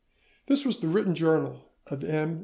This was the written journal of M.